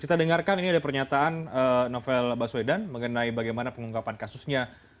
kita dengarkan ini ada pernyataan novel baswedan mengenai bagaimana pengungkapan kasusnya